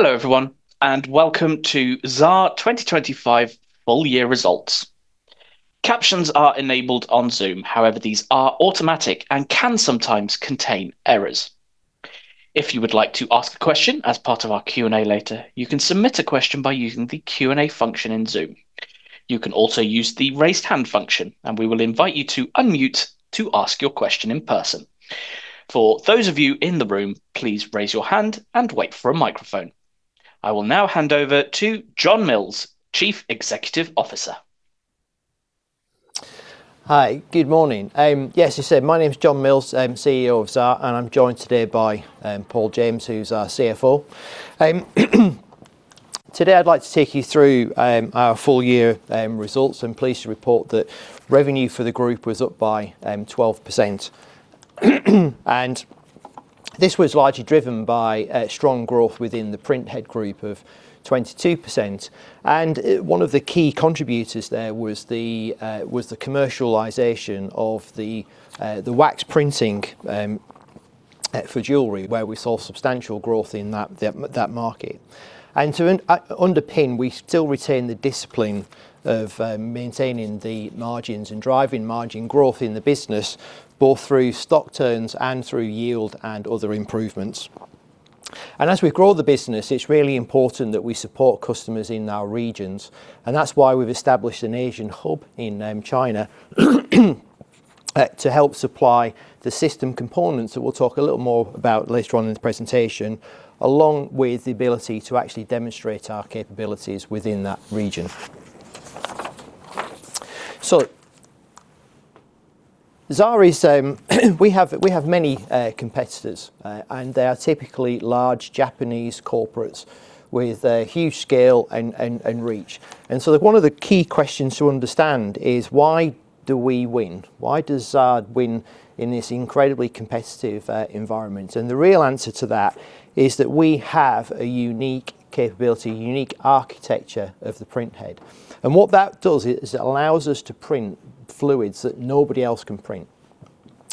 Hello everyone, and welcome to Xaar 2025 full year results. Captions are enabled on Zoom. However, these are automatic and can sometimes contain errors. If you would like to ask a question as part of our Q&A later, you can submit a question by using the Q&A function in Zoom. You can also use the raise hand function, and we will invite you to unmute to ask your question in person. For those of you in the room, please raise your hand and wait for a microphone. I will now hand over to John Mills, Chief Executive Officer. Hi. Good morning. Yes, you said my name is John Mills. I'm CEO of Xaar, and I'm joined today by Paul James, who's our CFO. Today I'd like to take you through our full year results. I'm pleased to report that revenue for the group was up by 12%. This was largely driven by strong growth within the Printhead group of 22%. One of the key contributors there was the commercialization of the wax printing for jewelry, where we saw substantial growth in that market. To underpin, we still retain the discipline of maintaining the margins and driving margin growth in the business, both through stock turns and through yield and other improvements. As we grow the business, it's really important that we support customers in our regions, and that's why we've established an Asian hub in China to help supply the system components that we'll talk a little more about later on in the presentation, along with the ability to actually demonstrate our capabilities within that region. Xaar is we have many competitors, and they are typically large Japanese corporates with a huge scale and reach. One of the key questions to understand is why do we win? Why does Xaar win in this incredibly competitive environment? The real answer to that is that we have a unique capability, unique architecture of the printhead. What that does is it allows us to print fluids that nobody else can print.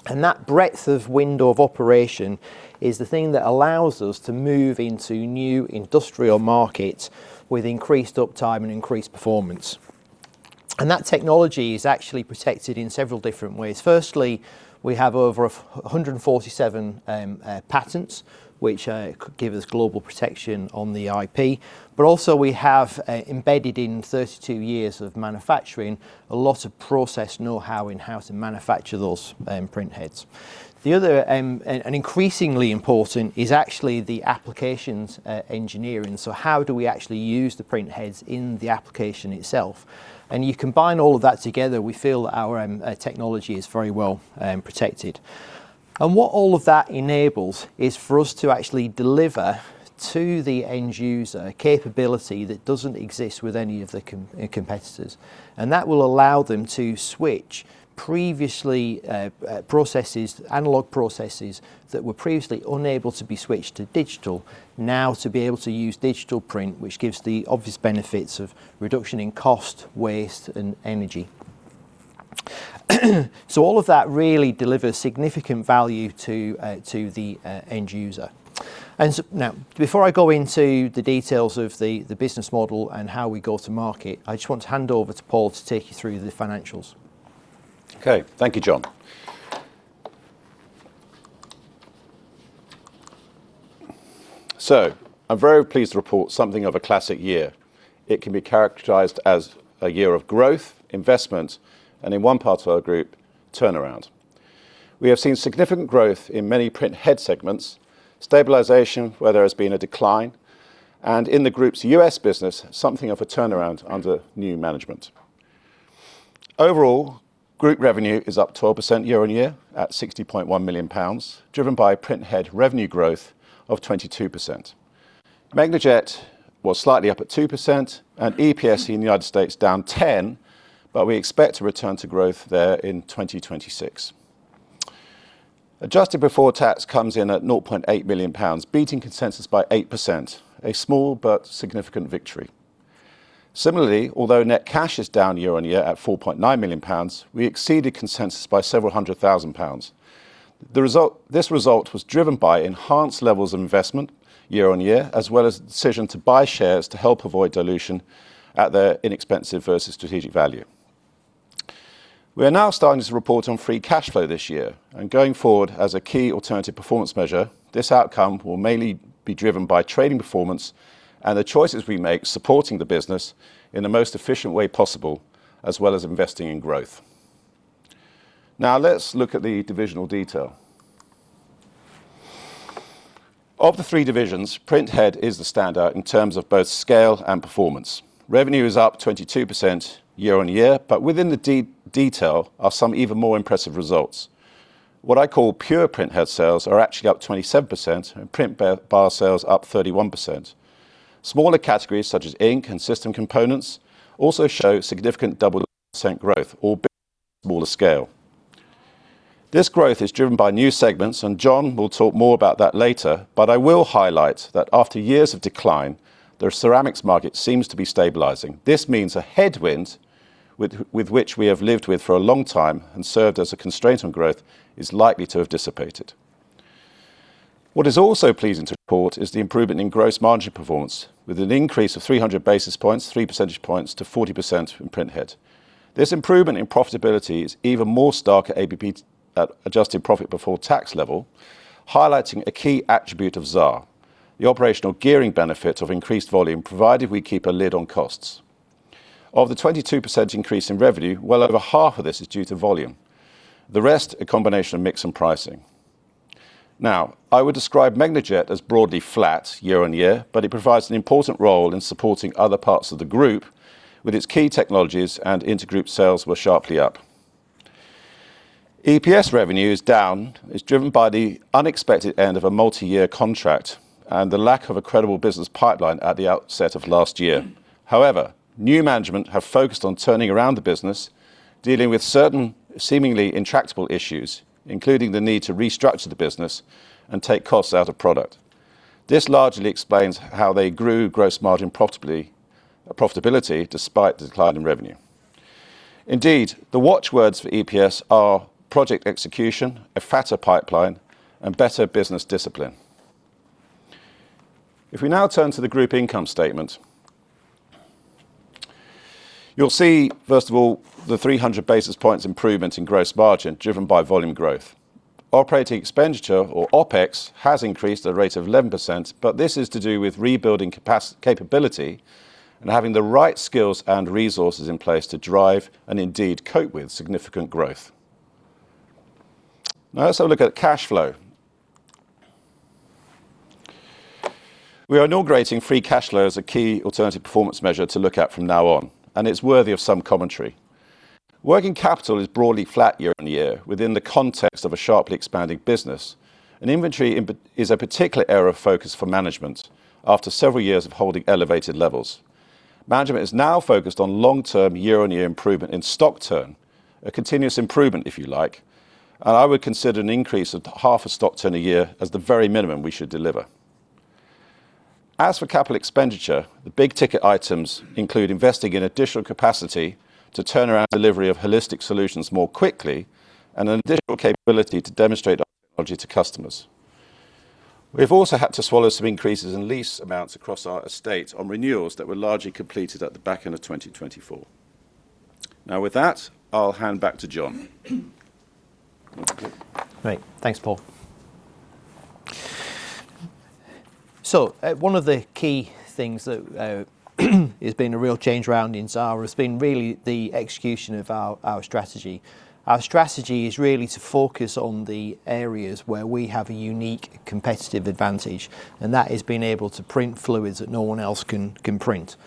That breadth of window of operation is the thing that allows us to move into new industrial markets with increased uptime and increased performance. That technology is actually protected in several different ways. Firstly, we have over 147 patents, which give us global protection on the IP. Also we have embedded in 32 years of manufacturing a lot of process know-how in how to manufacture those printheads. The other, increasingly important is actually the applications engineering. How do we actually use the printheads in the application itself? You combine all of that together, we feel our technology is very well protected. What all of that enables is for us to actually deliver to the end user a capability that doesn't exist with any of the competitors. That will allow them to switch analog processes that were previously unable to be switched to digital, now to be able to use digital print, which gives the obvious benefits of reduction in cost, waste, and energy. All of that really delivers significant value to the end user. Now before I go into the details of the business model and how we go to market, I just want to hand over to Paul to take you through the financials. Okay. Thank you, John. I'm very pleased to report something of a classic year. It can be characterized as a year of growth, investment, and in one part of our group, turnaround. We have seen significant growth in many printhead segments, stabilization where there has been a decline, and in the group's U.S. business, something of a turnaround under new management. Overall, group revenue is up 12% year-on-year at 60.1 million pounds, driven by Printhead revenue growth of 22%. Megnajet was slightly up at 2% and EPS in the United States down 10%, but we expect to return to growth there in 2026. Adjusted before tax comes in at 0.8 million pounds, beating consensus by 8%, a small but significant victory. Similarly, although net cash is down year-on-year at 4.9 million pounds, we exceeded consensus by several hundred thousand pounds. This result was driven by enhanced levels of investment year-on-year, as well as the decision to buy shares to help avoid dilution at their inexpensive versus strategic value. We are now starting to report on free cash flow this year and going forward as a key alternative performance measure. This outcome will mainly be driven by trading performance and the choices we make supporting the business in the most efficient way possible, as well as investing in growth. Now let's look at the divisional detail. Of the three divisions, Printhead is the standout in terms of both scale and performance. Revenue is up 22% year-on-year, but within the detail are some even more impressive results. What I call pure printhead sales are actually up 27%, and Printbar sales up 31%. Smaller categories such as ink and system components also show significant double-digit percent growth or smaller scale. This growth is driven by new segments, and John will talk more about that later. I will highlight that after years of decline, the ceramics market seems to be stabilizing. This means a headwind with which we have lived with for a long time and served as a constraint on growth is likely to have dissipated. What is also pleasing to report is the improvement in gross margin performance with an increase of 300 basis points, 3 percentage points to 40% in Printhead. This improvement in profitability is even more stark at adjusted profit before tax level, highlighting a key attribute of Xaar, the operational gearing benefit of increased volume provided we keep a lid on costs. Of the 22% increase in revenue, well over half of this is due to volume. The rest, a combination of mix and pricing. Now, I would describe Megnajet as broadly flat year-over-year, but it provides an important role in supporting other parts of the group with its key technologies and inter-group sales were sharply up. EPS revenue is down. It's driven by the unexpected end of a multi-year contract and the lack of a credible business pipeline at the outset of last year. However, new management have focused on turning around the business, dealing with certain seemingly intractable issues, including the need to restructure the business and take costs out of product. This largely explains how they grew gross margin profitability despite the decline in revenue. Indeed, the watch words for EPS are project execution, a fatter pipeline, and better business discipline. If we now turn to the group income statement, you'll see, first of all, the 300 basis points improvement in gross margin driven by volume growth. Operating expenditure, or OpEx, has increased at a rate of 11%, but this is to do with rebuilding capability and having the right skills and resources in place to drive and indeed cope with significant growth. Now let's have a look at cash flow. We are inaugurating free cash flow as a key alternative performance measure to look at from now on, and it's worthy of some commentary. Working capital is broadly flat year-over-year within the context of a sharply expanding business. Inventory is a particular area of focus for management after several years of holding elevated levels. Management is now focused on long-term year-over-year improvement in stock turn, a continuous improvement, if you like, and I would consider an increase of half a stock turn a year as the very minimum we should deliver. As for capital expenditure, the big ticket items include investing in additional capacity to turn around delivery of holistic solutions more quickly and an additional capability to demonstrate our technology to customers. We've also had to swallow some increases in lease amounts across our estate on renewals that were largely completed at the back end of 2024. Now with that, I'll hand back to John. Great. Thanks, Paul. One of the key things that has been a real change around in Xaar has been really the execution of our strategy. Our strategy is really to focus on the areas where we have a unique competitive advantage, and that is being able to print fluids that no one else can print.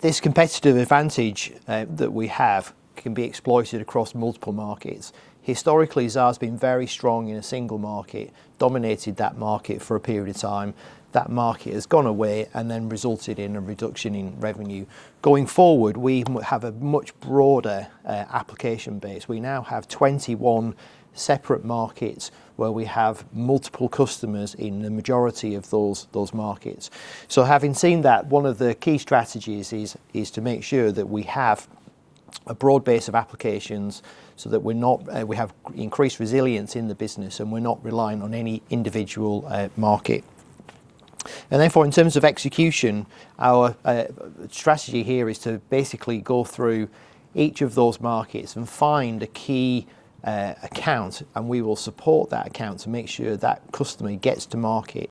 This competitive advantage that we have can be exploited across multiple markets. Historically, Xaar has been very strong in a single market, dominated that market for a period of time. That market has gone away and then resulted in a reduction in revenue. Going forward, we have a much broader application base. We now have 21 separate markets where we have multiple customers in the majority of those markets. Having seen that, one of the key strategies is to make sure that we have a broad base of applications so that we have increased resilience in the business, and we're not relying on any individual market. Therefore, in terms of execution, our strategy here is to basically go through each of those markets and find a key account, and we will support that account to make sure that customer gets to market.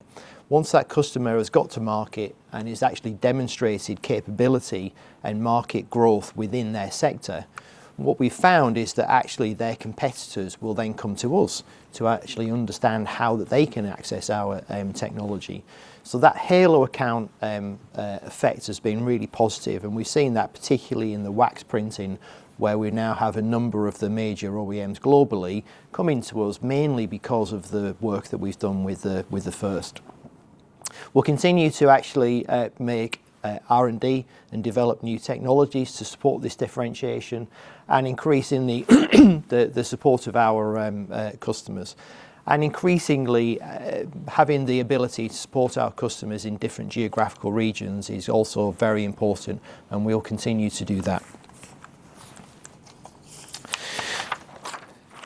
Once that customer has got to market and has actually demonstrated capability and market growth within their sector, what we found is that actually their competitors will then come to us to actually understand how that they can access our technology. That Halo account effect has been really positive, and we've seen that particularly in the wax printing, where we now have a number of the major OEMs globally coming to us mainly because of the work that we've done with the first. We'll continue to make R&D and develop new technologies to support this differentiation and increase in the support of our customers. Increasingly, having the ability to support our customers in different geographical regions is also very important, and we'll continue to do that.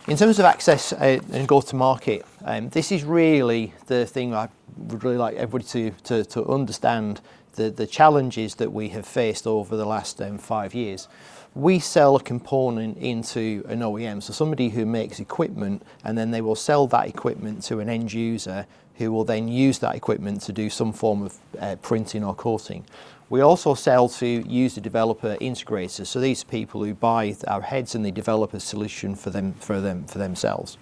In terms of access and go to market, this is really the thing I would really like everybody to understand the challenges that we have faced over the last five years. We sell a component into an OEM, so somebody who makes equipment, and then they will sell that equipment to an end user who will then use that equipment to do some form of printing or coating. We also sell to user developer integrators, so these are people who buy our heads, and they develop a solution for them, for themselves.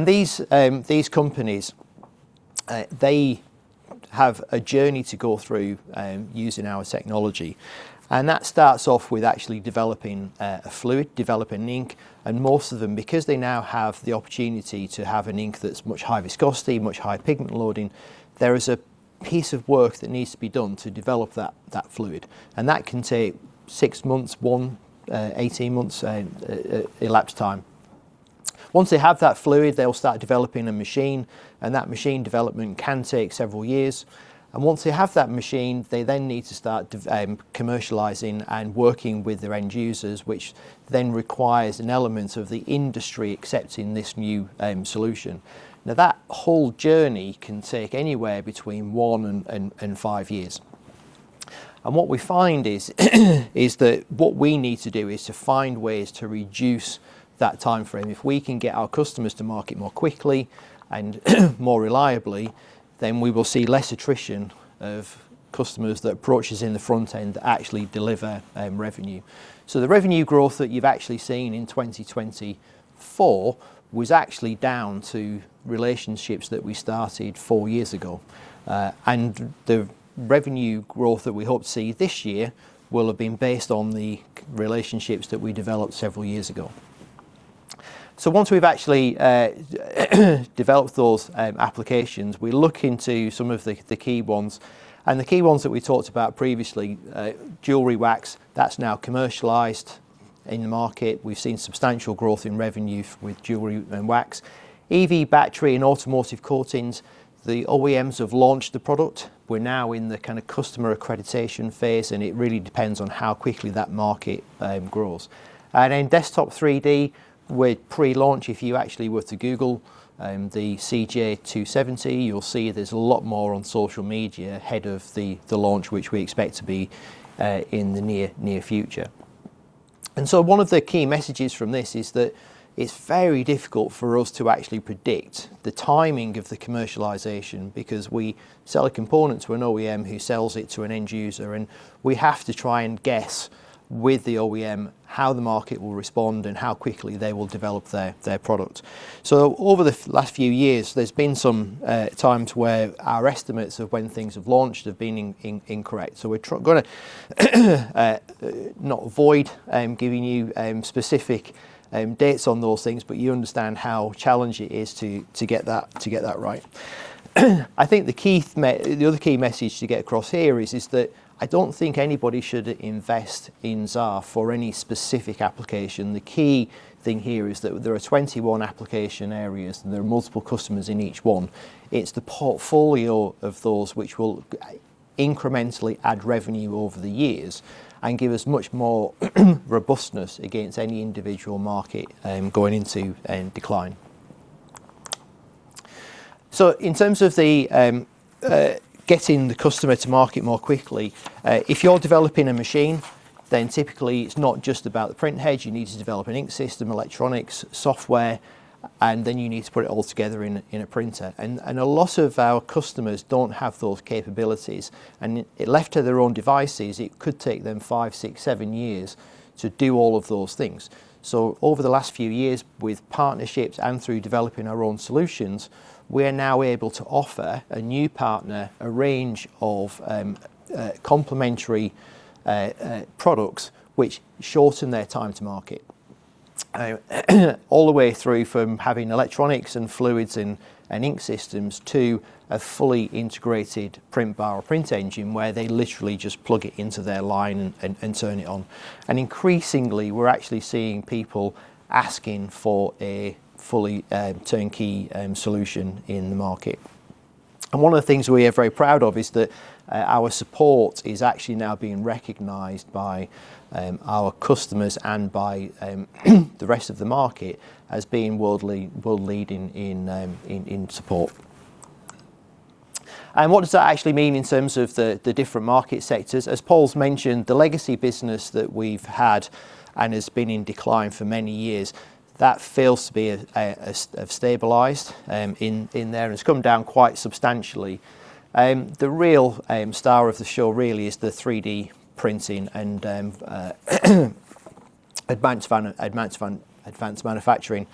These companies, they have a journey to go through using our technology. That starts off with actually developing a fluid, developing ink. Most of them, because they now have the opportunity to have an ink that's much higher viscosity, much higher pigment loading, there is a piece of work that needs to be done to develop that fluid. That can take six months, 18 months elapsed time. Once they have that fluid, they'll start developing a machine, and that machine development can take several years. Once they have that machine, they then need to start commercializing and working with their end users, which then requires an element of the industry accepting this new solution. Now, that whole journey can take anywhere between one and five years. What we find is that what we need to do is to find ways to reduce that timeframe. If we can get our customers to market more quickly and more reliably, then we will see less attrition of customers that approach us in the front end that actually deliver revenue. The revenue growth that you've actually seen in 2024 was actually down to relationships that we started four years ago. The revenue growth that we hope to see this year will have been based on the relationships that we developed several years ago. Once we've actually developed those applications, we look into some of the key ones. The key ones that we talked about previously, jewellery wax. That's now commercialized in the market. We've seen substantial growth in revenue with jewellery and wax. EV battery and automotive coatings, the OEMs have launched the product. We're now in the kinda customer accreditation phase, and it really depends on how quickly that market grows. In desktop 3D, we're pre-launch. If you actually were to google the CJ270, you'll see there's a lot more on social media ahead of the launch which we expect to be in the near future. One of the key messages from this is that it's very difficult for us to actually predict the timing of the commercialization because we sell a component to an OEM who sells it to an end user and we have to try and guess with the OEM how the market will respond and how quickly they will develop their product. Over the last few years, there's been some times where our estimates of when things have launched have been incorrect. We're gonna not avoid giving you specific dates on those things, but you understand how challenging it is to get that right. I think the other key message to get across here is that I don't think anybody should invest in Xaar for any specific application. The key thing here is that there are 21 application areas, and there are multiple customers in each one. It's the portfolio of those which will incrementally add revenue over the years and give us much more robustness against any individual market going into decline. In terms of getting the customer to market more quickly, if you're developing a machine, then typically it's not just about the printhead, you need to develop an ink system, electronics, software, and then you need to put it all together in a printer. A lot of our customers don't have those capabilities, and if left to their own devices, it could take them five, six, seven years to do all of those things. Over the last few years with partnerships and through developing our own solutions, we're now able to offer a new partner a range of complementary products which shorten their time to market. All the way through from having electronics and fluids and ink systems to a fully integrated printbar or print engine where they literally just plug it into their line and turn it on. Increasingly, we're actually seeing people asking for a fully turnkey solution in the market. One of the things we are very proud of is that our support is actually now being recognized by our customers and by the rest of the market as being world-leading in support. What does that actually mean in terms of the different market sectors? As Paul's mentioned, the legacy business that we've had and has been in decline for many years, that fails to be stabilized in there, and it's come down quite substantially. The real star of the show really is the 3D printing and advanced manufacturing.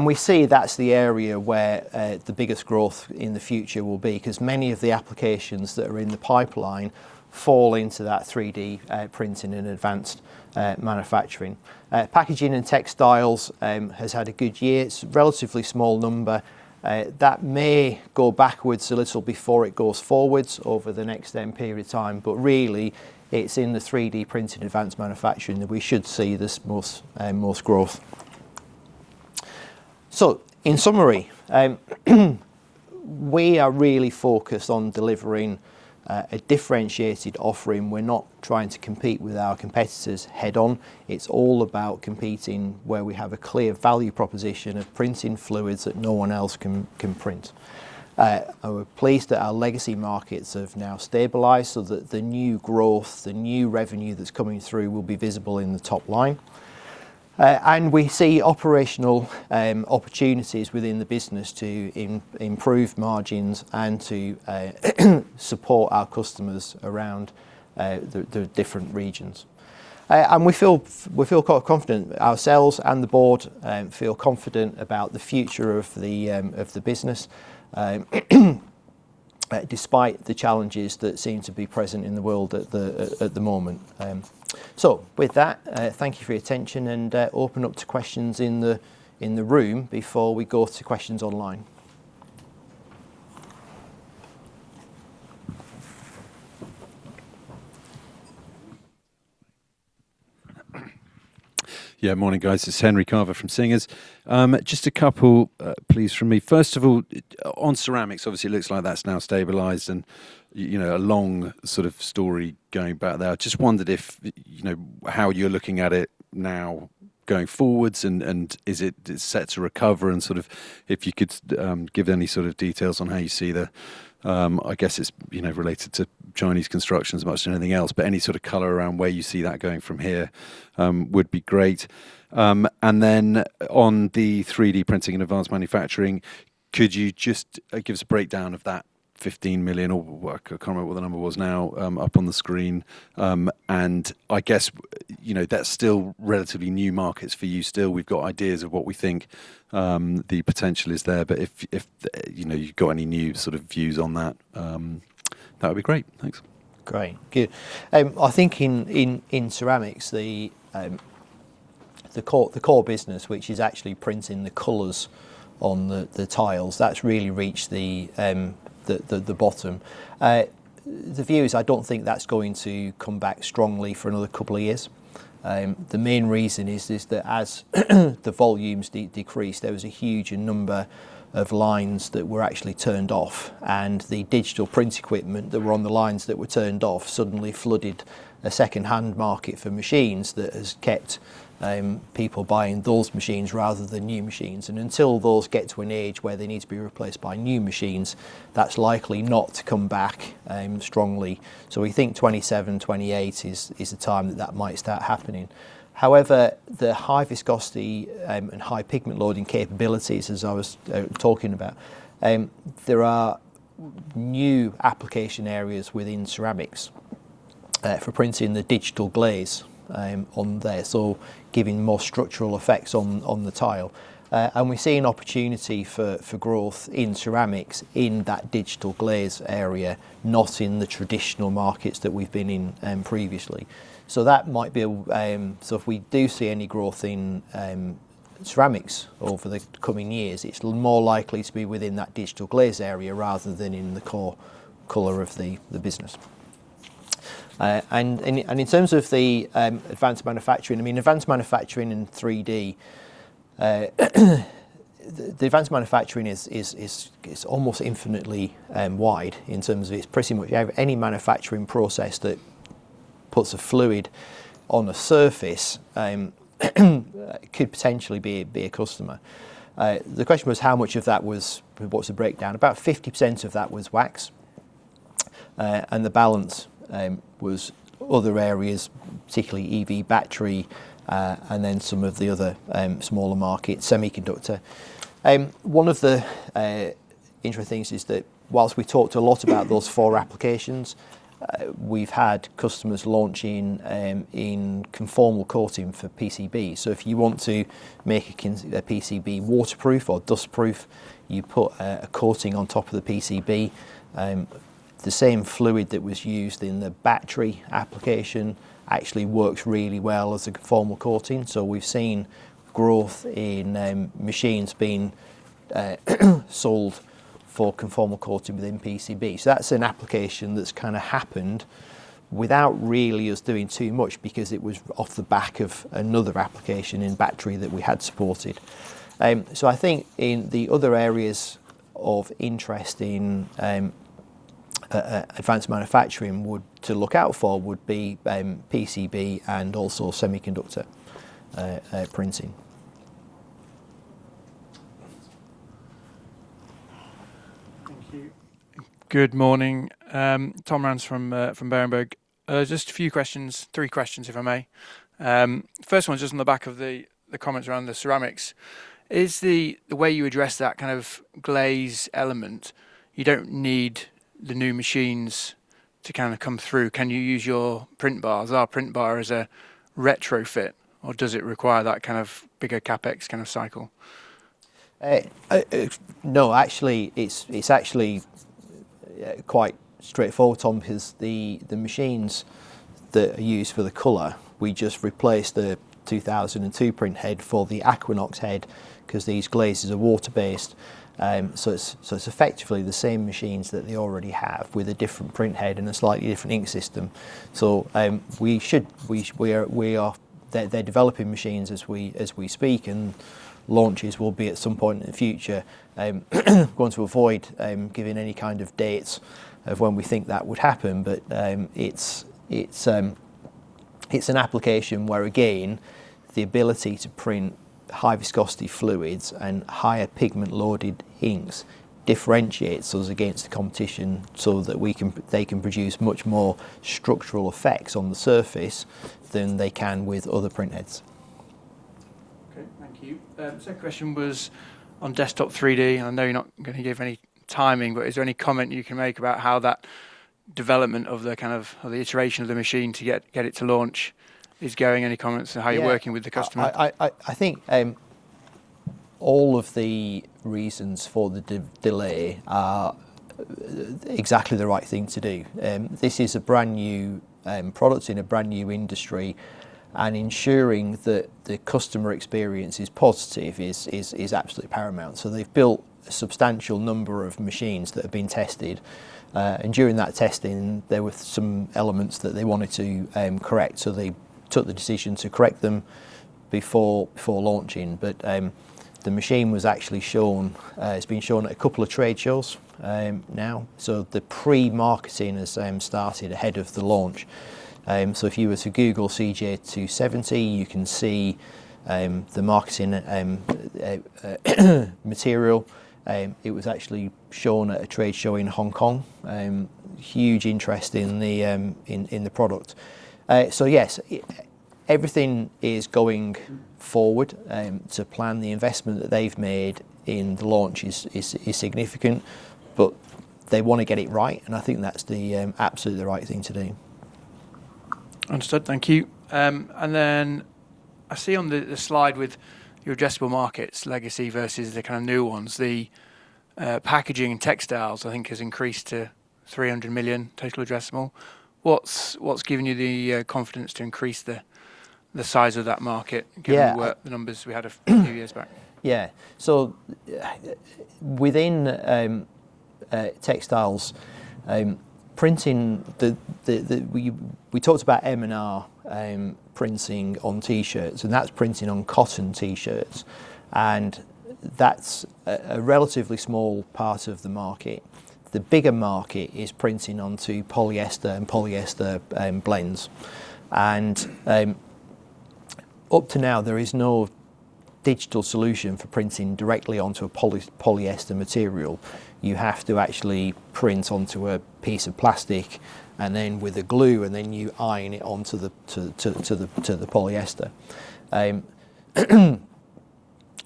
We see that's the area where the biggest growth in the future will be 'cause many of the applications that are in the pipeline fall into that 3D printing and advanced manufacturing. Packaging and textiles has had a good year. It's a relatively small number. That may go backwards a little before it goes forwards over the next period of time. Really, it's in the 3D printing advanced manufacturing that we should see the most growth. In summary, we are really focused on delivering a differentiated offering. We're not trying to compete with our competitors head-on. It's all about competing where we have a clear value proposition of printing fluids that no one else can print. We're pleased that our legacy markets have now stabilized so that the new growth, the new revenue that's coming through will be visible in the top line. We see operational opportunities within the business to improve margins and to support our customers around the different regions. We feel quite confident, ourselves and the board feel confident about the future of the business despite the challenges that seem to be present in the world at the moment. With that, thank you for your attention and open up to questions in the room before we go to questions online. Yeah. Morning, guys. This is Henry Carver from Singer. Just a couple, please from me. First of all, on ceramics, obviously it looks like that's now stabilized and, you know, a long sort of story going back there. Just wondered if, you know, how you're looking at it now going forwards, and is it set to recover? Sort of if you could give any sort of details on how you see the, I guess it's, you know, related to Chinese construction as much as anything else, but any sort of color around where you see that going from here would be great. And then on the 3D printing and advanced manufacturing, could you just give us a breakdown of that 15 million or whatever. I can't remember what the number was now, up on the screen. I guess, you know, that's still relatively new markets for you still. We've got ideas of what we think, the potential is there, but if, you know, you've got any new sort of views on that would be great. Thanks. Great. Good. I think in ceramics the core business, which is actually printing the colors on the tiles, that's really reached the bottom. The view is I don't think that's going to come back strongly for another couple of years. The main reason is that as the volumes decrease, there was a huge number of lines that were actually turned off and the digital print equipment that were on the lines that were turned off suddenly flooded a second-hand market for machines that has kept people buying those machines rather than new machines. Until those get to an age where they need to be replaced by new machines, that's likely not to come back strongly. We think 2027, 2028 is the time that that might start happening. However, the high viscosity and high pigment loading capabilities, as I was talking about, there are new application areas within ceramics for printing the digital glaze on there. Giving more structural effects on the tile. We're seeing opportunity for growth in ceramics in that digital glaze area, not in the traditional markets that we've been in previously. That might be if we do see any growth in ceramics over the coming years. It's more likely to be within that digital glaze area rather than in the core color of the business. In terms of the advanced manufacturing, I mean, advanced manufacturing and 3D, the advanced manufacturing is almost infinitely wide in terms of it's pretty much you have any manufacturing process that puts a fluid on a surface, could potentially be a customer. The question was how much of that was wax. What's the breakdown? About 50% of that was wax. The balance was other areas, particularly EV battery, and then some of the other smaller markets, semiconductor. One of the interesting things is that whilst we talked a lot about those four applications, we've had customers launching in conformal coating for PCB. So if you want to make a PCB waterproof or dust proof, you put a coating on top of the PCB. The same fluid that was used in the battery application actually works really well as a conformal coating. We've seen growth in machines being sold for conformal coating within PCB. That's an application that's kinda happened without really us doing too much because it was off the back of another application in battery that we had supported. I think in the other areas of interest in advanced manufacturing to look out for would be PCB and also semiconductor printing. Thank you. Good morning. Thomas Rands from Berenberg. Just a few questions. Three questions, if I may. First one is just on the back of the comments around the ceramics. Is the way you address that kind of glaze element you don't need the new machines to kind of come through? Can you use your printbar as a retrofit, or does it require that kind of bigger CapEx kind of cycle? No, actually. It's actually quite straightforward, Tom, 'cause the machines that are used for the color, we just replaced the 2002 printhead for the Aquinox head 'cause these glazes are water-based. So it's effectively the same machines that they already have with a different printhead and a slightly different ink system. They're developing machines as we speak, and launches will be at some point in the future. Going to avoid giving any kind of dates of when we think that would happen. It's an application where, again, the ability to print high viscosity fluids and higher pigment loaded inks differentiates us against the competition so that they can produce much more structural effects on the surface than they can with other printheads. Okay. Thank you. Second question was on desktop 3D. I know you're not gonna give any timing, but is there any comment you can make about how that development or the iteration of the machine to get it to launch is going? Any comments on how you're working with the customer? Yeah. I think all of the reasons for the delay are exactly the right thing to do. This is a brand new product in a brand new industry, and ensuring that the customer experience is positive is absolutely paramount. They've built a substantial number of machines that have been tested, and during that testing there were some elements that they wanted to correct. They took the decision to correct them before launching. The machine was actually shown. It's been shown at a couple of trade shows now. The pre-marketing has started ahead of the launch. If you were to Google CJ270, you can see the marketing material. It was actually shown at a trade show in Hong Kong. Huge interest in the product. Yes, everything is going forward to plan. The investment that they've made in the launch is significant, but they wanna get it right, and I think that's absolutely the right thing to do. Understood. Thank you. I see on the slide with your addressable markets legacy versus the kind of new ones, the packaging and textiles I think has increased to 300 million total addressable. What's given you the confidence to increase the size of that market? Yeah Given what the numbers we had a few years back? Yeah. Within textiles printing, we talked about M&R printing on T-shirts, and that's printing on cotton T-shirts, and that's a relatively small part of the market. The bigger market is printing onto polyester blends. Up to now, there is no digital solution for printing directly onto a polyester material. You have to actually print onto a piece of plastic, and then with a glue, and then you iron it onto the polyester.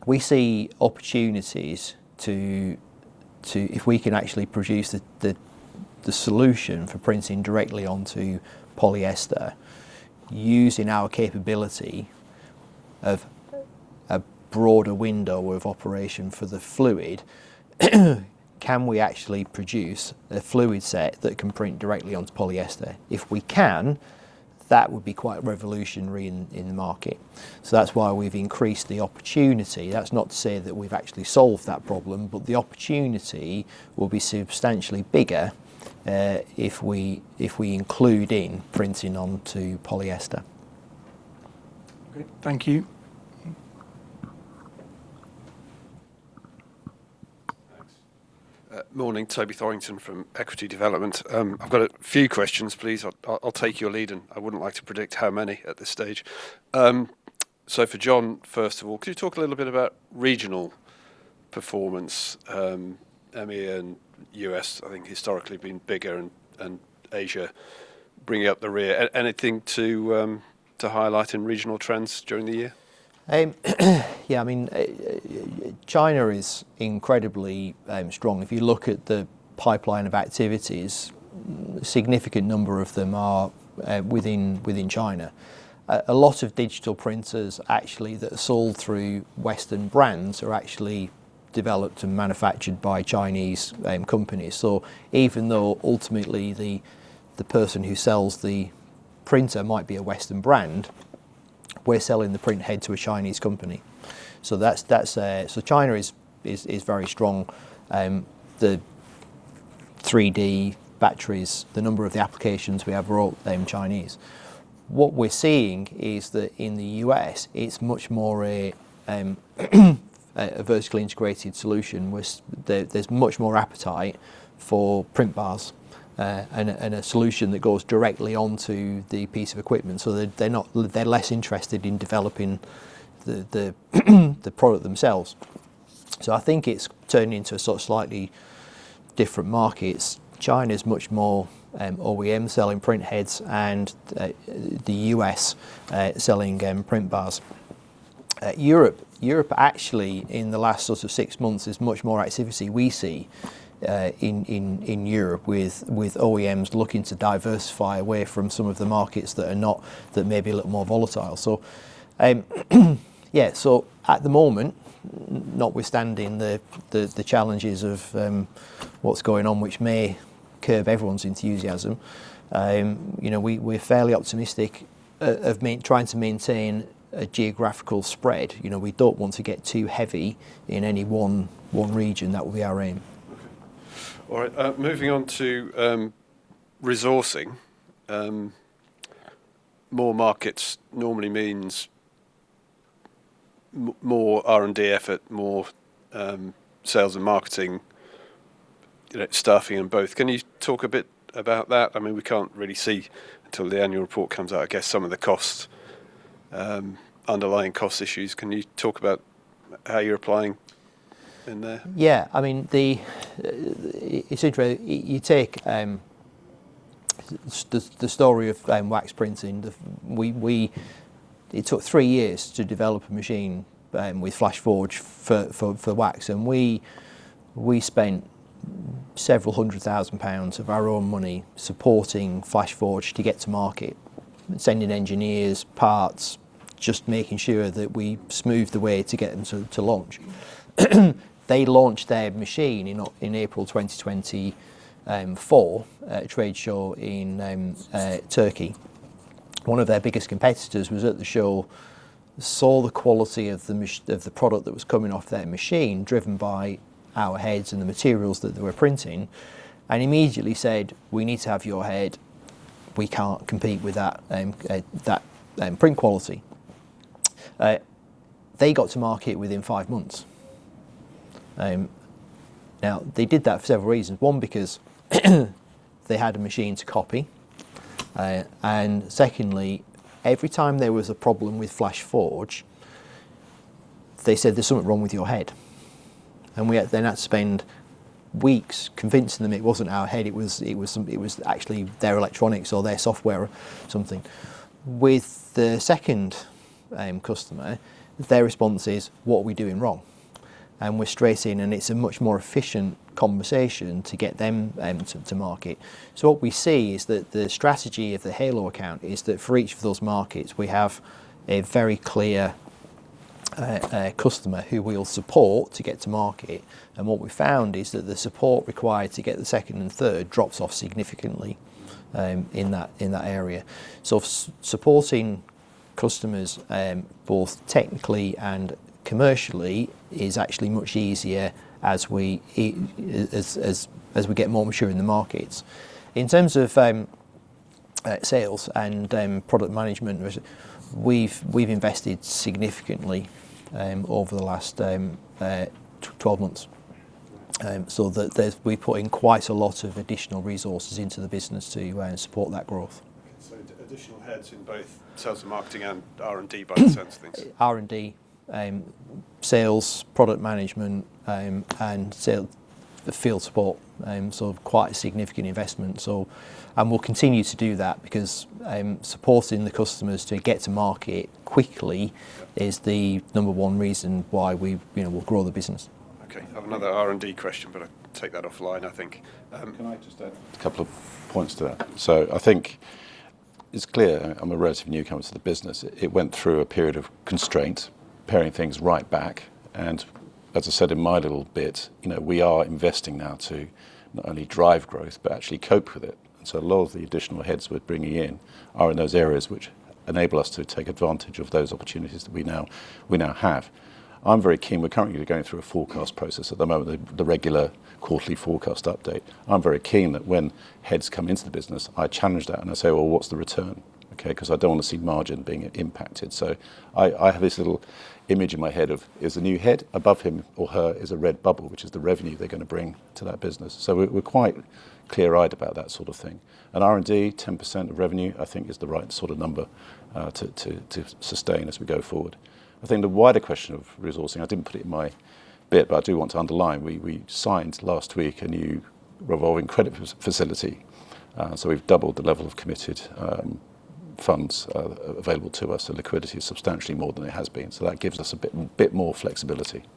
We see opportunities if we can actually produce the solution for printing directly onto polyester using our capability of a broader window of operation for the fluid. Can we actually produce a fluid set that can print directly onto polyester? If we can, that would be quite revolutionary in the market. So that's why we've increased the opportunity. That's not to say that we've actually solved that problem, but the opportunity will be substantially bigger, if we include in printing onto polyester. Okay. Thank you. Thanks. Morning, Toby Thorrington from Equity Development. I've got a few questions, please. I'll take your lead, and I wouldn't like to predict how many at this stage. So for John, first of all, could you talk a little bit about regional performance? EMEA and U.S. I think historically have been bigger, and Asia bringing up the rear. Anything to highlight in regional trends during the year? Yeah. I mean, China is incredibly strong. If you look at the pipeline of activities, significant number of them are within China. A lot of digital printers actually that are sold through Western brands are actually developed and manufactured by Chinese companies. Even though ultimately the person who sells the printer might be a Western brand, we're selling the printhead to a Chinese company. That's. China is very strong. The 3D, batteries, the number of applications we have are all Chinese. What we're seeing is that in the U.S., it's much more a vertically integrated solution where there's much more appetite for printbars and a solution that goes directly onto the piece of equipment so that they're not. They're less interested in developing the product themselves. I think it's turning into a sort of slightly different markets. China's much more OEM selling printheads and the U.S. selling printbars. Europe actually in the last sort of six months is much more activity we see in Europe with OEMs looking to diversify away from some of the markets that may be a little more volatile. At the moment, notwithstanding the challenges of what's going on, which may curb everyone's enthusiasm, you know, we're fairly optimistic of maintaining a geographical spread. You know, we don't want to get too heavy in any one region. That would be our aim. Okay. All right. Moving on to resourcing. More markets normally means more R&D effort, more sales and marketing, you know, staffing and both. Can you talk a bit about that? I mean, we can't really see till the annual report comes out, I guess, some of the costs, underlying cost issues. Can you talk about how you're applying in there? Yeah. I mean, it's interesting. You take the story of wax printing. It took three years to develop a machine with Flashforge for wax, and we spent several hundred thousand GBP of our own money supporting Flashforge to get to market, sending engineers, parts, just making sure that we smoothed the way to get them to launch. They launched their machine in April 2024 at a trade show in Turkey. One of their biggest competitors was at the show, saw the quality of the product that was coming off their machine, driven by our heads and the materials that they were printing, and immediately said, "We need to have your head. We can't compete with that print quality." They got to market within five months. Now they did that for several reasons. One, because they had a machine to copy. Secondly, every time there was a problem with Flashforge, they said, "There's something wrong with your head." I'd spend weeks convincing them it wasn't our head, it was actually their electronics or their software or something. With the second customer, their response is, "What are we doing wrong?" We're straight in, and it's a much more efficient conversation to get them to market. What we see is that the strategy of the Halo account is that for each of those markets, we have a very clear customer who we'll support to get to market. What we found is that the support required to get the second and third drops off significantly in that area. Supporting customers both technically and commercially is actually much easier as we get more mature in the markets. In terms of sales and product management, we've invested significantly over the last 12 months. We put in quite a lot of additional resources into the business to support that growth. Okay. Additional heads in both sales and marketing and R&D by the sounds of things. R&D, sales, product management, and the field support, so quite a significant investment. We'll continue to do that because supporting the customers to get to market quickly is the number one reason why we, you know, will grow the business. Okay. I have another R&D question, but I take that offline, I think. Can I just add a couple of points to that? I think it's clear, I'm a relative newcomer to the business, it went through a period of constraint, paring things right back. As I said in my little bit, you know, we are investing now to not only drive growth, but actually cope with it. A lot of the additional heads we're bringing in are in those areas which enable us to take advantage of those opportunities that we now have. I'm very keen. We're currently going through a forecast process at the moment, the regular quarterly forecast update. I'm very keen that when heads come into the business, I challenge that and I say, "Well, what's the return?" Okay. Because I don't want to see margin being impacted. I have this little image in my head of there's a new head, above him or her is a red bubble, which is the revenue they're gonna bring to that business. We're quite clear-eyed about that sort of thing. R&D, 10% of revenue, I think is the right sort of number to sustain as we go forward. I think the wider question of resourcing, I didn't put it in my bit, but I do want to underline, we signed last week a new revolving credit facility. We've doubled the level of committed funds available to us, so liquidity is substantially more than it has been. That gives us a bit more flexibility. Okay.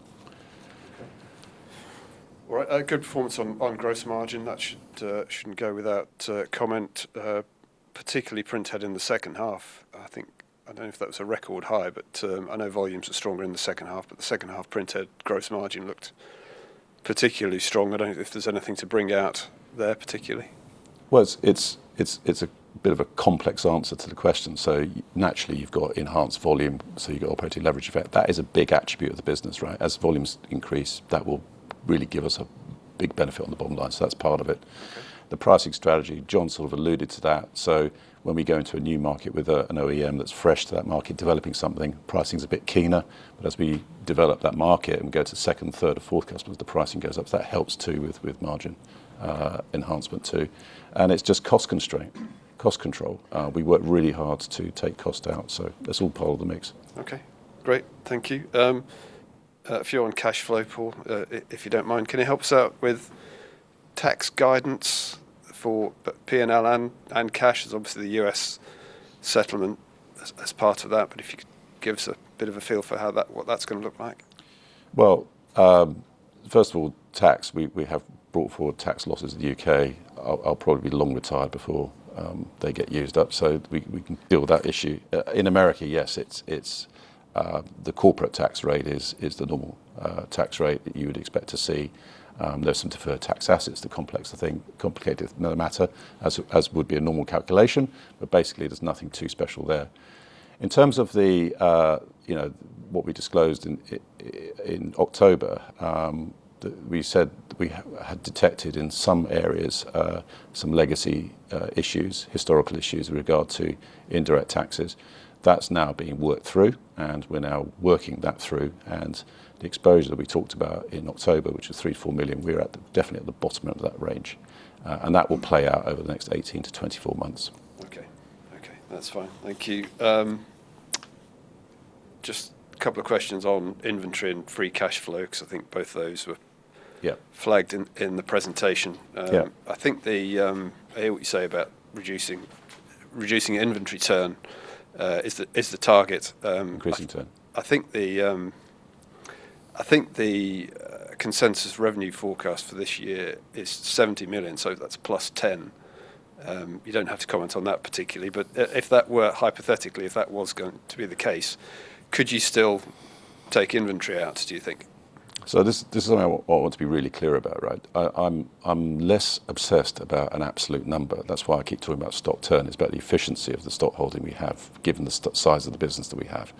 All right. A good performance on gross margin. That shouldn't go without comment. Particularly Printhead in the second half. I think I don't know if that was a record high, but I know volumes were stronger in the second half, but the second half Printhead gross margin looked particularly strong. I don't know if there's anything to bring out there particularly? Well, it's a bit of a complex answer to the question. Naturally you've got enhanced volume, so you've got operating leverage effect. That is a big attribute of the business, right? As volumes increase, that will really give us a big benefit on the bottom line. That's part of it. The pricing strategy, John sort of alluded to that. When we go into a new market with an OEM that's fresh to that market, developing something, pricing's a bit keener. As we develop that market and go to second, third or fourth customer, the pricing goes up. That helps too with margin enhancement too. It's just cost constraint, cost control. We work really hard to take cost out, that's all part of the mix. Okay, great. Thank you. A few on cash flow, Paul, if you don't mind. Can you help us out with tax guidance for P&L and cash? There's obviously the U.S. settlement as part of that, but if you could give us a bit of a feel for how that what that's gonna look like. Well, first of all, tax, we have brought forward tax losses in the U.K. I'll probably be long retired before they get used up, so we can deal with that issue. In America, yes, it's the corporate tax rate is the normal tax rate that you would expect to see. There's some deferred tax assets that complicate the matter as would be a normal calculation. Basically, there's nothing too special there. In terms of you know, what we disclosed in October, we said we had detected in some areas some legacy issues, historical issues with regard to indirect taxes. That's now being worked through, and we're now working that through. The exposure that we talked about in October, which was 3 million-4 million, we're definitely at the bottom end of that range. That will play out over the next 18-24 months. Okay. Okay, that's fine. Thank you. Just a couple of questions on inventory and free cash flow, because I think both those were flagged in the presentation. Yeah. I hear what you say about reducing inventory turn is the target. Increasing turn. I think the consensus revenue forecast for this year is 70 million, so that's +10%. You don't have to comment on that particularly, but if that were hypothetically the case, could you still take inventory out, do you think? This is something I want to be really clear about, right? I'm less obsessed about an absolute number. That's why I keep talking about stock turn. It's about the efficiency of the stock holding we have, given the size of the business that we have.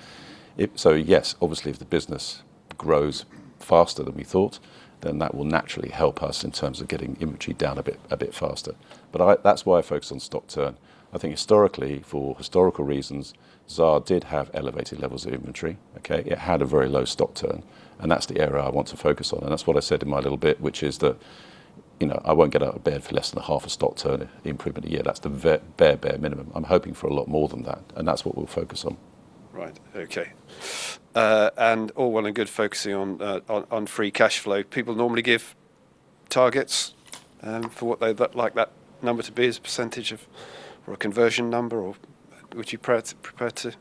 Yes, obviously if the business grows faster than we thought, then that will naturally help us in terms of getting inventory down a bit faster. That's why I focus on stock turn. I think historically, for historical reasons, Xaar did have elevated levels of inventory, okay? It had a very low stock turn, and that's the area I want to focus on, and that's what I said in my little bit, which is that, you know, I won't get out of bed for less than a half a stock turn improvement a year. That's the bare minimum. I'm hoping for a lot more than that, and that's what we'll focus on. Right. Okay. All well and good focusing on free cash flow. People normally give targets for what they'd like that number to be as a percentage of, or a conversion number or would you be prepared to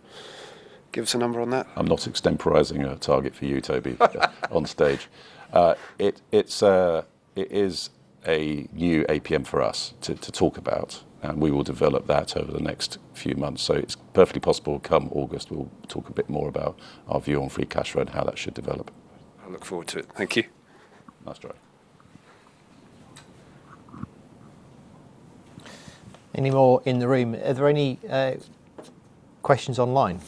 give us a number on that? I'm not extemporizing a target for you, Toby, on stage. It is a new APM for us to talk about, and we will develop that over the next few months. It's perfectly possible, come August, we'll talk a bit more about our view on free cash flow and how that should develop. I look forward to it. Thank you. Nice try. Any more in the room? Are there any questions online?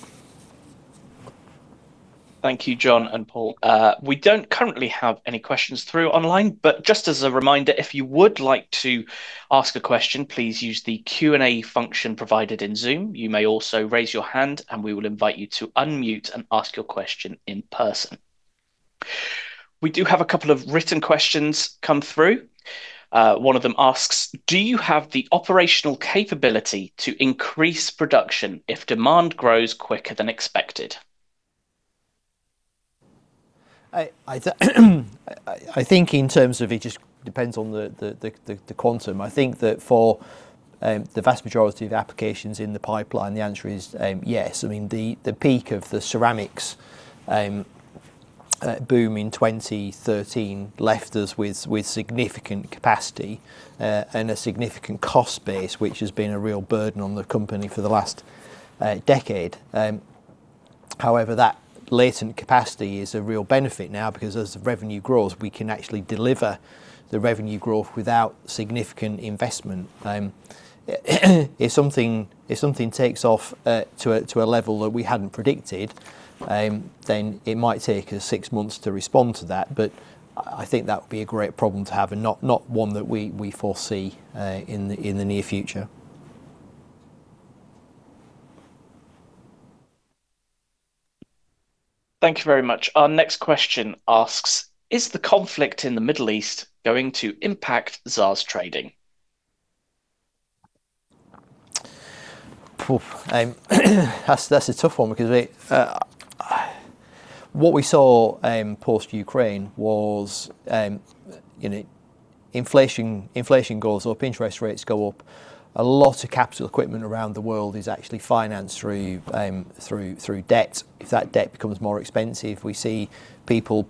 Thank you, John and Paul. We don't currently have any questions through online, but just as a reminder, if you would like to ask a question, please use the Q&A function provided in Zoom. You may also raise your hand, and we will invite you to unmute and ask your question in person. We do have a couple of written questions come through. One of them asks, "Do you have the operational capability to increase production if demand grows quicker than expected? I think in terms of it just depends on the quantum. I think that for the vast majority of applications in the pipeline, the answer is yes. I mean, the peak of the ceramics boom in 2013 left us with significant capacity and a significant cost base, which has been a real burden on the company for the last decade. However, that latent capacity is a real benefit now because as revenue grows, we can actually deliver the revenue growth without significant investment. If something takes off to a level that we hadn't predicted, then it might take us six months to respond to that. I think that would be a great problem to have and not one that we foresee in the near future. Thank you very much. Our next question asks, "Is the conflict in the Middle East going to impact Xaar's trading? That's a tough one because what we saw post-Ukraine was you know inflation goes up, interest rates go up. A lot of capital equipment around the world is actually financed through debt. If that debt becomes more expensive, we see people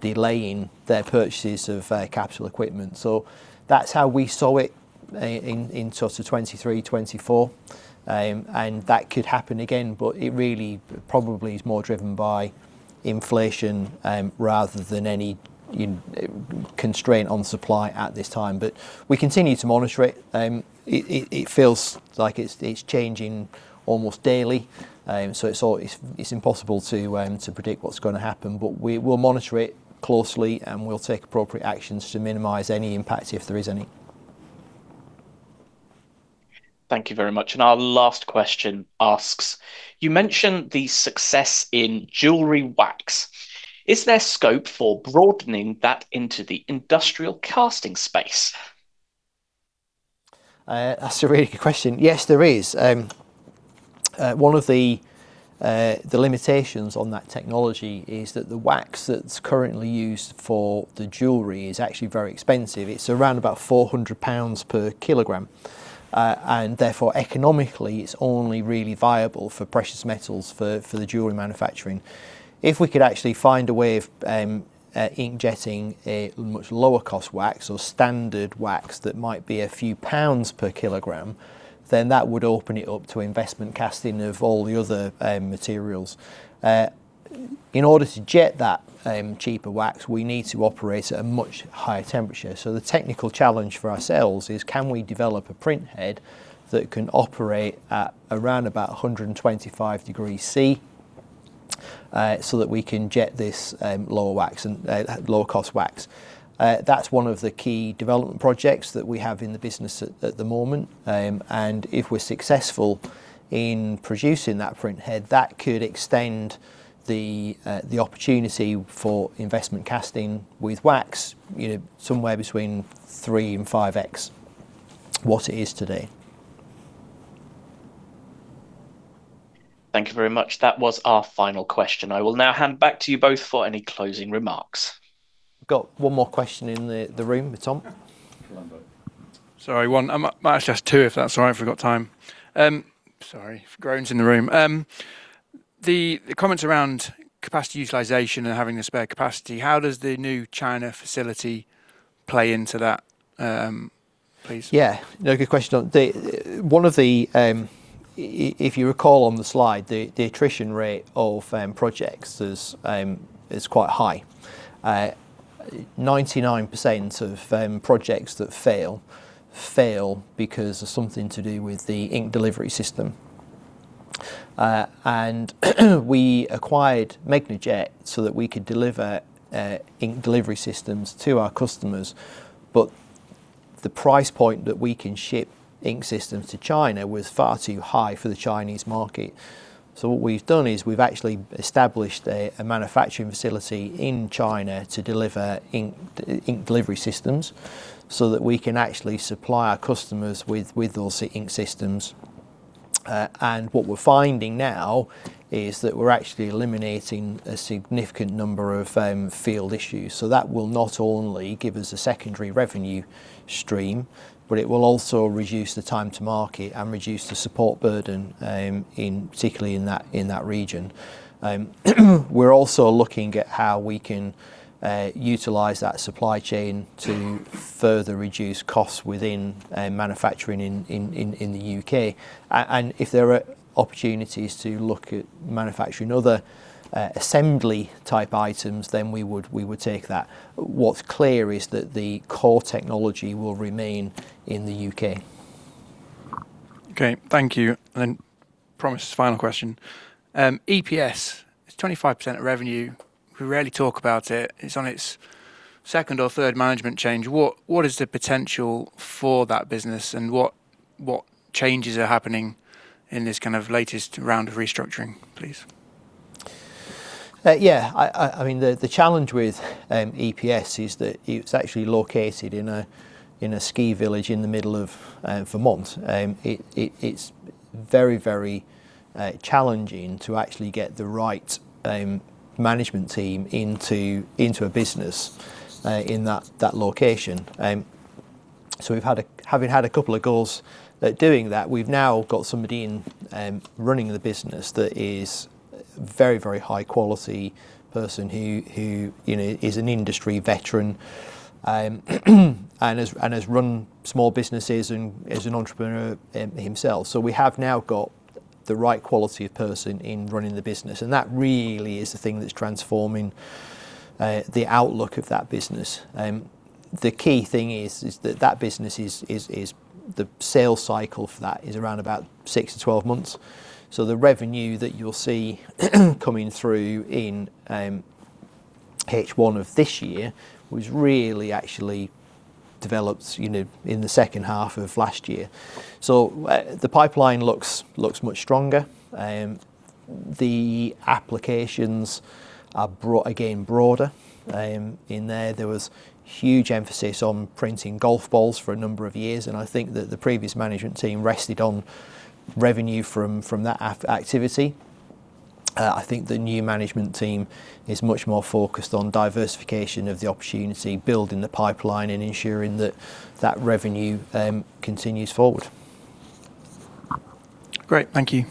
delaying their purchases of capital equipment. That's how we saw it in sort of 2023, 2024. That could happen again. It really probably is more driven by inflation rather than any constraint on supply at this time. We continue to monitor it. It feels like it's changing almost daily. It's impossible to predict what's gonna happen. We will monitor it closely, and we'll take appropriate actions to minimize any impact if there is any. Thank you very much. Our last question asks, "You mentioned the success in jewellery wax. Is there scope for broadening that into the industrial casting space? That's a really good question. Yes, there is. One of the limitations on that technology is that the wax that's currently used for the jewelry is actually very expensive. It's around about 400 pounds per kilogram. And therefore, economically, it's only really viable for precious metals for the jewelry manufacturing. If we could actually find a way of inkjetting a much lower cost wax or standard wax that might be a few pounds per kilogram, then that would open it up to investment casting of all the other materials. In order to jet that cheaper wax, we need to operate at a much higher temperature. The technical challenge for ourselves is can we develop a printhead that can operate at around about 125 degrees C, so that we can jet this lower wax and lower cost wax. That's one of the key development projects that we have in the business at the moment. If we're successful in producing that printhead, that could extend the opportunity for investment casting with wax, you know, somewhere between 3x-5x what it is today. Thank you very much. That was our final question. I will now hand back to you both for any closing remarks. Got one more question in the room. Tom? Sorry, one. I might ask just two, if that's all right, if we've got time. Sorry. Groans in the room. The comments around capacity utilization and having the spare capacity, how does the new China facility play into that? Yeah. No, good question. The one of the if you recall on the slide, the attrition rate of projects is quite high. 99% of projects that fail, fail because of something to do with the ink delivery system. We acquired Megnajet so that we could deliver ink delivery systems to our customers. The price point that we can ship ink systems to China was far too high for the Chinese market. What we've done is we've actually established a manufacturing facility in China to deliver ink delivery systems so that we can actually supply our customers with those ink systems. What we're finding now is that we're actually eliminating a significant number of field issues. That will not only give us a secondary revenue stream, but it will also reduce the time to market and reduce the support burden in particular in that region. We're also looking at how we can utilize that supply chain to further reduce costs within manufacturing in the U.K.. If there are opportunities to look at manufacturing other assembly type items, then we would take that. What's clear is that the core technology will remain in the U.K. Okay. Thank you. I promise this is the final question. EPS is 25% of revenue. We rarely talk about it. It's on its second or third management change. What is the potential for that business and what changes are happening in this kind of latest round of restructuring, please? I mean, the challenge with EPS is that it's actually located in a ski village in the middle of Vermont. It's very challenging to actually get the right management team into a business in that location. Having had a couple of goes at doing that, we've now got somebody in running the business that is very high-quality person who, you know, is an industry veteran and has run small businesses and is an entrepreneur himself. We have now got the right quality of person in running the business, and that really is the thing that's transforming the outlook of that business. The key thing is that that business is the sales cycle for that is around about 6 to 12 months. The revenue that you'll see coming through in H1 of this year was really actually developed, you know, in the second half of last year. The pipeline looks much stronger. The applications are broad, again, broader in there. There was huge emphasis on printing golf balls for a number of years, and I think that the previous management team rested on revenue from that activity. I think the new management team is much more focused on diversification of the opportunity, building the pipeline and ensuring that that revenue continues forward. Great. Thank you.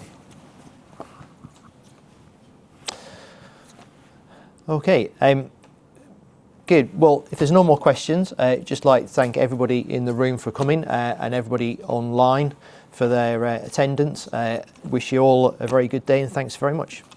Okay. Good. Well, if there's no more questions, I'd just like to thank everybody in the room for coming, and everybody online for their attendance. I wish you all a very good day, and thanks very much. Thank you.